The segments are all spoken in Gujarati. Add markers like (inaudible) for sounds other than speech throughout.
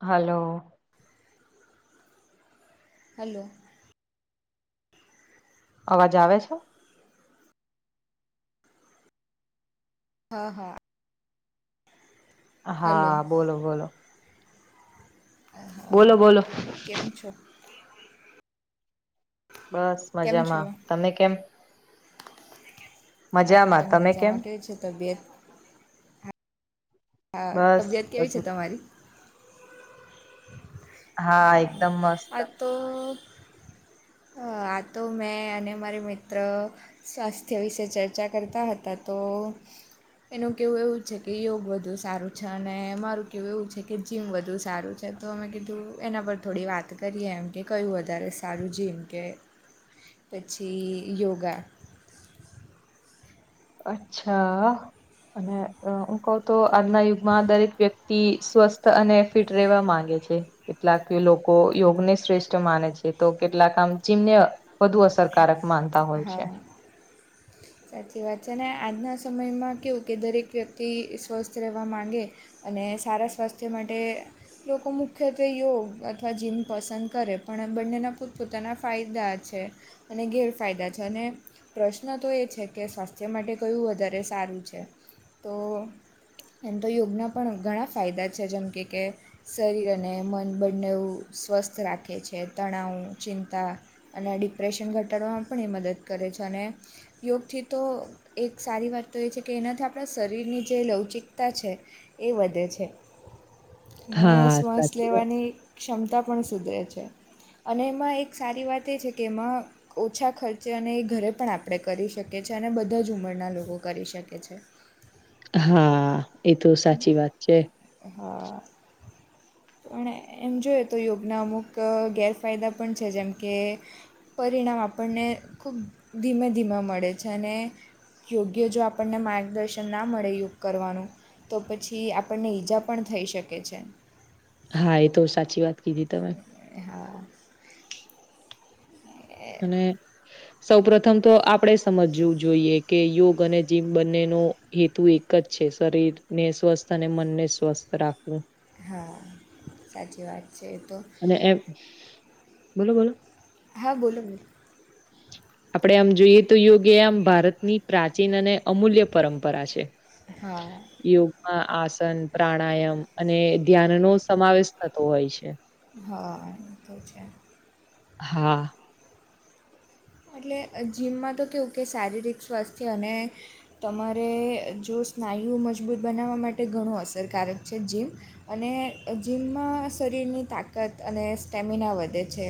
હલો. હલો. અવાજ આવે છે? હા, હા. હલો હા, બોલો-બોલો. બોલો-બોલો. કેમ છો? બસ કેમ છો મજામાં. તમે કેમ અમે મજામાં પણ તમે કેમ મજામાં, કેવી છે તબિયત? હા, બસ તબિયત કેવી છે બધું તમારી? હા, એકદમ મસ્ત આ તો અહ આ તો મેં અને મારી મિત્ર સ્વાસ્થ્ય વિશે ચર્ચા કરતા હતા તો એનું કહેવું એવું જ છે કે યોગ વધુ સારું છે, અને અમારું કહેવું એવું છે કે જીમ વધુ સારું છે, તો મે કીધું એના પર થોડી વાત ત કરીએ એમ કે કયું વધારે સારું, જેમ કે પછી યોગા અચ્છા. અને અહ હું કઉ તો આજના યુગમાં દરેક વ્યક્તિ સ્વસ્થ અને ફિટ રહેવા માંગે છે. કેટલાક લોકો યોગને શ્રેષ્ઠ માને છે, તો કેટલાક આમ જીમને અહ વધુ અસરકારક માન હા. સાચી વાત છે, ને આજના સમયમાં કેવું કે દરેક વ્યક્તિ સ્વસ્થ રહેવા માંગે અને સારા સ્વાસ્થ્ય માટે લોકો મુખ્યત્વે યોગ અથવા જીમ પસંદ કરે, પણ બંનેના પોતપોતાના ફાયદા છે. અને ગેરફાયદા છે, અને પ્રશ્ન તો એ છે કે સ્વાસ્થ્ય માટે કયું વધારે સારું છે. તો એમ તો યોગના પણ ઘણા ફાયદા છે, જેમ કે-કે શરીર અને મન બંનેવ સ્વસ્થ રાખે છે, તણાવ, ચિંતા અને ડિપ્રેશન ઘટાડવામાં પણ એ મદદ કરે છે, અને યોગથી તો એક સારી વાત તો એ છે કે એનાથી આપણા શરીરની જે લવચિકતા છે એ વધે છે. ને હા શ્વાસ સાચી વાત લેવાની ક્ષમતા પણ સુધરે છે, અને એમાં એક સારી વાત એ છે કે એમાં ઓછા ખર્ચે, અને ઈ ઘરે પણ આપણે કરી શકે છે, અને બધા જ ઉંમરના લોકો કરી શકે છે. હા, એ તો સાચી વાત છે. હા. પણ એમ જોઈએ તો યોગના અમુક ગેરફાયદા પણ છે, જેમ કે પરિણામ આપણને ખૂબ ધીમે ધીમે મળે છે અને યોગ્ય જો આપણને માર્ગદર્શન ના મળે યોગ કરવાનું, તો પછી આપ આપણને ઈજા પણ થઈ શકે છે. હા, એ તો સાચી વાત કીધી તમે. હા (inaudible) હ સૌ પ્રથમ તો આપડે સમજવું જોઈએ કે યોગ અને જીમ બંને નો હેતુ એક જ છે શરીર ને સ્વસ્થ અને મનને સ્વસ્થ રાખવું હા સાચી વાત છે એ તો ને એમ બોલો બોલો હા બોલુ બોલું આપડે આમ જોઈએ તો યોગ આમ ભારતની પ્રાચીન અને અમૂલ્ય પરંપરા છે હા યોગ આ આસન પ્રાણાયામ અને ધ્યાનનો સમાવેશ થતો હોય છે હા તો છે હા એટલે જીમમાં તો કેવું કે શારીરિક સ્વાસ્થ્ય અને તમારે જો સ્નાયુઓ મજબૂત બનાવવા માટે ઘણું અસરકારક છે જીમ અને જીમમાં શરીરની તાકાત અને સ્ટેમિના વધે છે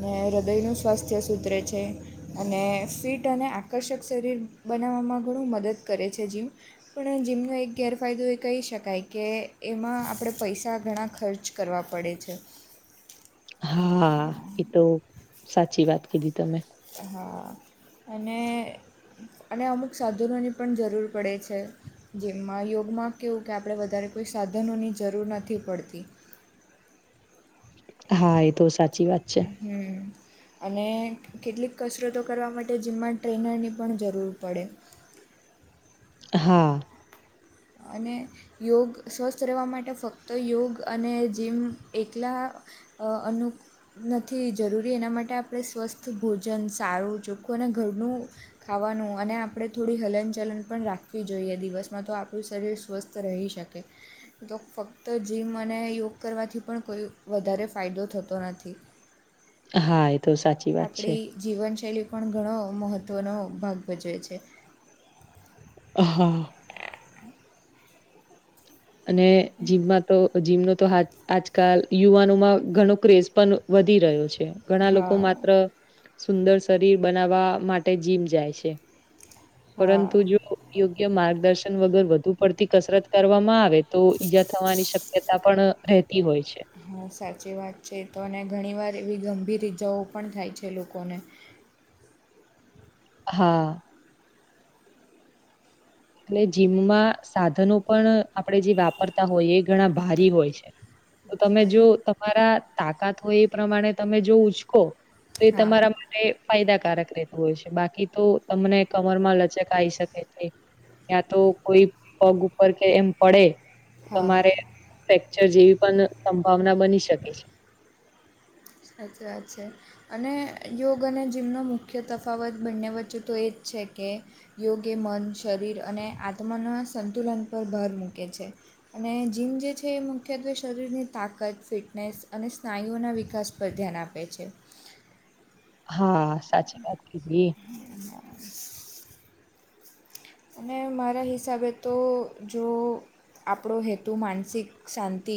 ને હૃદયનું સ્વાસ્થ્ય સુધરે છે અને ફિટ અને આકર્ષક શરીર બનાવામાં ઘણું મદદ કરે છે જીમ પણ જીમનો એક ગેરફાયદો એ કહી શકાય કે એમાં આપણે પૈસા ઘણા ખર્ચ કરવા પડે છે હા એ તો સાચી વાત કીધી તમે હા અને અને અમુક સાધનોની પણ જરૂર પડે છે જેમાં યોગમાં કેવું કે આપણે વધારે કોઈ સાધનોની જરૂર નથી પડતી હા એ તો સાચી વાત છે હમ અને કેટલીક કસરતો કરવા માટે જીમમાં ટ્રેનરની પણ જરૂર પડે હા અને યોગ સ્વસ્થ રહેવા માટે ફક્ત યોગ અને જીમ એકલા અ અનુ નથી જરૂરી એના માટે આપણે સ્વસ્થ ભોજન સારું ચોખ્ખું અને ઘરનું ખાવાનું અને આપણે થોડી હલનચલન પણ રાખવી જોઈએ દિવસમાં તો આ પડું શરીર સ્વસ્થ રહી શકે તો ફક્ત જીમ અને યોગ કરવાથી પણ કોઈ વધારે ફાયદો થતો નથી હા એ તો સા આપડી જીવનશૈલી પણ ઘણો મહત્ત્વનો ભાગ ભજવે છે હા અને જીમ માં તો જીમનો તો આજકાલ યુવાનોમાં ઘણો ક્રેઝ પણ વધી રહ્યો છે ઘણા લોકો હા માત્ર સુંદર શરીર બનાવા માટે જીમ જાય છે પરંતુ હા જો યોગ્ય માર્ગદર્શન વગર વધુ પડતી કસરત કરવામાં આવે તો ઈજા થવાની શક્યતા પણ રહેતી હોય છે હા સાચી વાત છે તો અને ઘણીવાર એવી ગંભીર ઇજાઓ પણ થાય છે લોકોને હા એટલે જીમમાં સાધનો પણ આપણે જે વાપરતા હોય એ ઘણા ભારી હોય છે તો તમે હા જો તમારા તાકાત હોય એ પ્રમાણે તમે જો ઉચકો તો એ હા તમારા એ ફાયદાકારક રહેતું હોય છે બાકી તો તમને કમરમાં લચક આવી શકે છે તયાં તો કોઈ પગ ઉપર કે એમ પડે હા તમારે ફેક્ચર જેવી પણ સંભાવના બની શકે છે અચ્છા અચ્છા. અને યોગ અને જીમનો મુખ્ય તફાવત બંને વચ્ચે તો એ જ છે કે યોગ એ મન શરીર અને આત્માના સંતુલન પર ભાર મૂકે છે. અને જીમ જે છે એ મુખ્યત્વે શરીરની તાકત ફિટનેસ અને સ્નાયુઓના વિકાસ પર ધ્યાન આપે છે. હા સાચી વાત કધી. અને મારા હિસાબે તો જો આપણો હેતુ માનસિક શાંતિ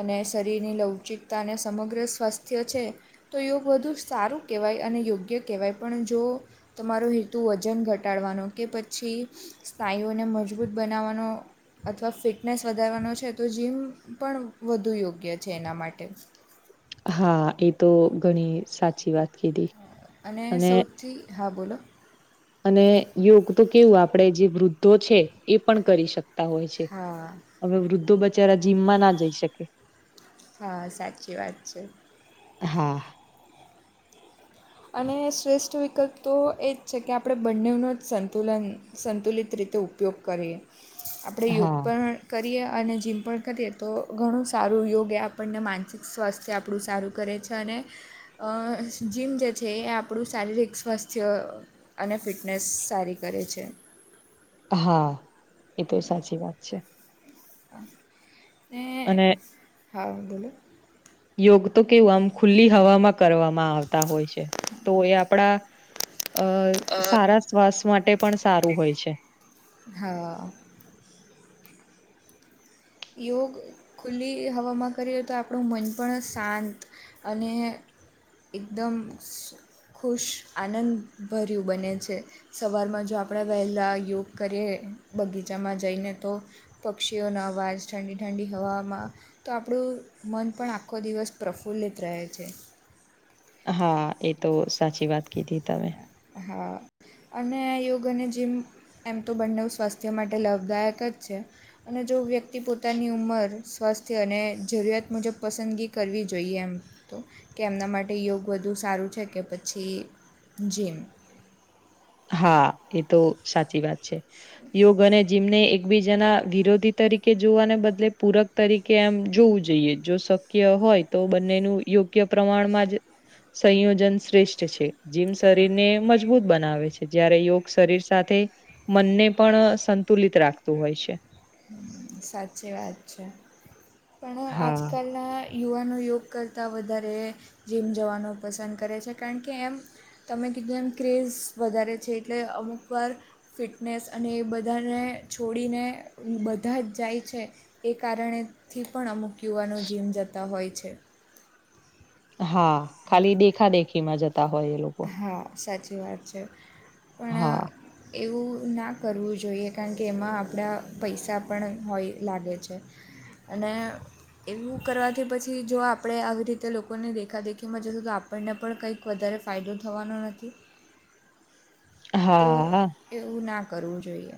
અને શરીરની લવચિકતા અને સમગ્ર સ્વાસ્થ્ય છે. તો યોગ વધુ સારું કહેવાય અને યોગ્ય કહેવાય પણ જો તમારોું હેતુ વજન ઘટાડવાનો કે પછી સ્નાયુઓને મજબૂત બનાવવાનો અથવા ફિટનેસ વધારવાનો છે તો જીમ પણ વધુ યોગ્ય છે એના માટે. હા એ તો ઘણી સાચી વાત કીધી. અને સૌથી હા બોલો અને યોગ તો કેવું આપણેે જે વૃદ્ધો છે એ પણ કરી શકતા હોય છે. હા હવે વૃદ્ધો બચારા જીમમાં ના જઈ શકે. હા સાચી વાત છે. હા. અને શ્રેષ્ઠ વિકલ્પ તો એ જ છે કે આપણે બંનેઓનો જ સંતુલન સંતુલિત રીતે ઉપયોગ કરીએ આપણે યોગ હા પણ કરીએ અને જીમ પણ કરીએ તો ઘણું સારું યોગ એ આપણને માનસિક સ્વાસ્થ્ય તે આપણું સારું કરે છે અને અ જીમ જે જે એ આપણું શારીરિક સ્વાસ્થ્ય અને ફિટનેસ સારી કરે છે. હા એ તો સાચી વાત છે. (inaudible) અને હા બોલો. યોગ તો કેવું આમ ખુલ્લી હવામાં આવતા હોય છે તો એ આપણા અ સારા શ્વાસ માટે પણ સારું હોય છે. હા. યોગ ખુલ્લી હવામાં કરીએ તો આપણું મન પણ શાંત અને એકદમ ખુશ આનંદભર્યું બને છે. સવારમાં જો આપણે વહેલાં યોગ કરીએ બગીચામાં જઈને તો પક્ષીઓનો અવાજ ઠંડી-ઠંડી હવામાં તો આપણું મન પણ આખો દિવસ પ્રફુલ્લિત રહે છે. હા એ તો સાચી વાત કીધી તમે. હા. અને યોગ અને જીમ એમ તો બંને સ્વાસ્થ્ય માટે લાભદાયક જ છે. અને જો વ્યક્તિ પોતાની ઉંમર સ્વાસ્થ્ય અને જરૂરિયાત મુજબ પસંદગી કરવી જોઈએ એમ. તો કે એમના માટે યોગ વધુ સારું છે કે પછી જીમ. હા એ તો સાચી વાત છે યોગ અને જેમને એકબીજાના વિરોધી તરીકે જોવાને બદલે પૂરક તરીકે એમ જોવું જોઈએ જો સ શક્ય હોય તો બંનેનું યોગ્ય પ્રમાણમાં જ સંયોજન શ્રેષ્ઠ છે. જીમ શરીર ને મજબૂત બનાવે છે. જયારે યોગ શરીર સાથે મનને પણ સંતુલિત રાખતું હોય છે. હમ્મ સાચી વાત છે પણ હા. આજકાલના યુવાનો યોગ કરતાં વધારે જીમ જવાનું પસંદ કરે છે કારણ કે એમ તમે કીધ એમ ક્રેઝ વધારે છે એટલે અમુકવાર ફિટનેસ અને એ બધાને છોડીને. બધા જ જાય છે એ કારણેથી પણ અમુક યુવાનો જીમ જતા હોય છે. હા ખાલી દેખા દેખીમાં જતા હોય એ લોકો હા સાચી વાત છે, પણ હા એવું ના કરવું જોઈએ કારણ કે એમાં આપણા પૈસા પણ હોય લાગે છે. અને એવું કરવાથી પછી જો આપણે આવી રીતે લોકોને દેખાદેખીમાં જશું તો આપણને પણ કંઈક વધારે ફાયદો થવાનો નથી. તો હા એવું ના કરવું જોઈએ.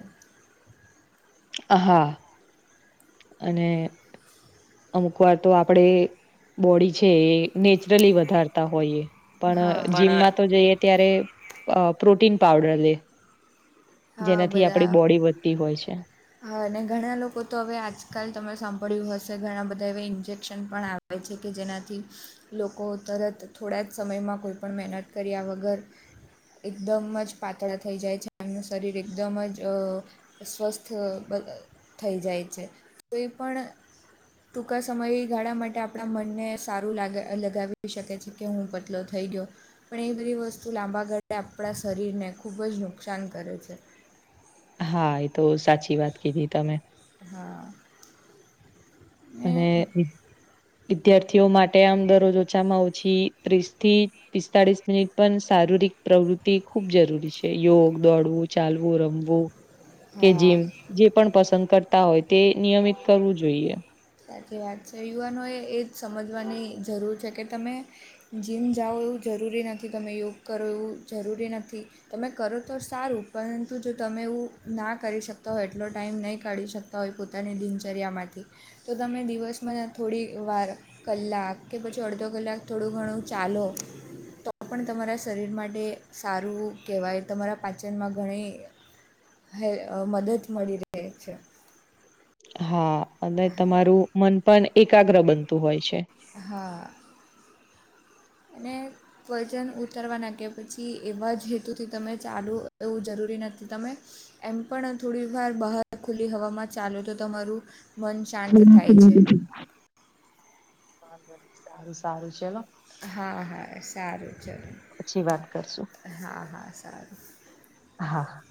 હા. અને અમુક વાર તો આપણે બોડી છે એ નેચરલી વધારતા હોઈએ. પણ હા પણ જીમમાં તો જઈએ ત્યારે પ્રોટીન પાવડર લે હા જેનાથી બધા આપડી બોડી વધતી હોય છે. હા અને ઘણા લોકો તો હવે આજકાલ તમે સાંભળ્યું હશે ઘણા બધા એવા ઇન્જેક્શન પણ આવે હોય છે કે જેનાથી લોકો તરત થોડા જ સમયમાં કોઈ પણ મહેનત કર્યા વગર એકદમ જ પાતળા થઈ જાય છે. એમનું શરીર એકદમ જ સ્વસ્ થઈ જાય છે. કોઈ પણ ટૂંકા સમયગાળા માટે આપણા મનને સારું લાગ લગાવી શકે છે. કે હું પતલો થઈ ગયો પણ એ બધી વસ્તુ લાંબા ગાળે આપણા શરીરને ખૂબ જ નુકસાન કરે છે. હા એ તો સાચી વાત કીધી તમે. હા. ને અને વિદ્યાર્થીઓ માટે આમ દરરોજ ઓછામાં ઓછી ત્રીસ થી પિસ્તાળીસ મિનિટ પણ શારીરિક પ્રવૃત્તિ ખુબ જરૂરી છે. યોગ દોડવું ચાલવું રમવું કે હા જીમ‌ જે પણ પસંદ કરતા હોય તે નિયમિત કરવું જોઈએ. સાચી વાત છે. યુવાનોએ એ જ સમજવાની જરૂર છે કે તમ જીમ જાઓ એવું જરૂરી નથી તમે યોગ કરો એવું જરૂરી નથી. તમે કરો તો સારું પરંતુ જો તમે એવું ના કરી શકતા હોય એટલો ટાઈમ નહીં કાઢી શક હોય પોતાની દિનચર્યામાંથી તો તમે દિવસમાં થોડી વાર કલાક કે પછી અડધો કલાક થોડું ઘણું ચાલો તો પણ તમારા શરીર માટે સારું કહેવાય તમારા પાચનમાં ઘણી હે મદદ મળી રહે છે. હા અને તમારું મન પણ એકાગ્ર બનતું હોય છે. હા. એને વજન ઉતારવા નાખ્યા પછી એવા જ હેતુથી તમે ચાલો એવું જરૂરી નથી તમે એમ પણ થોડી વાર બહાર ખુલ્લી હવામાં ચાલુ તો તમારું મન શાંત હમ થાય છે. વાંધો નહી સારું સારું (unintelligible) હા હા સારું ચાલું. પછી વાત કરશું હા હા સારું. હા.